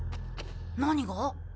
何が？